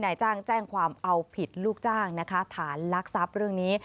นายแจ้งความเอาผิดลูกจ้างฐานลักษัพฯเรื่องนี้